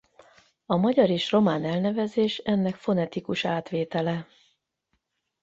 A magyar és román elnevezés ennek fonetikus átvétele.